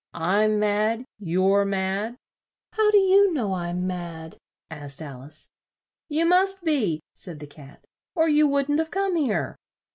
I'm mad. You're mad." "How do you know I'm mad!" asked Al ice. "You must be," said the Cat, "or you wouldn't have come here."